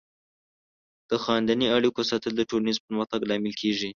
د خاندنۍ اړیکو ساتل د ټولنیز پرمختګ لامل کیږي.